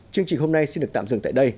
chương trình hôm nay xin được tạm dừng tại đây